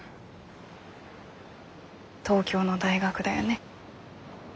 東京の大学だよね？